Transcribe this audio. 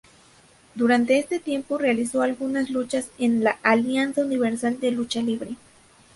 Durante este tiempo realizó algunas luchas en la Alianza Universal de Lucha Libre.